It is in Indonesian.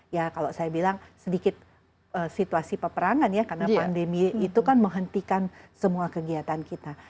ya kalau saya bilang sedikit situasi peperangan ya karena pandemi itu kan menghentikan semua kegiatan kita